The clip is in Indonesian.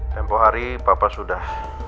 tempoh hari papa sudah